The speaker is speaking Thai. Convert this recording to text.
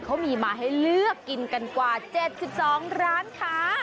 เขามีมาให้เลือกกินกันกว่า๗๒ร้านค้า